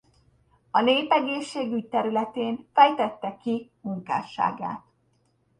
A népegészségügy területén fejtette ki munkásságát.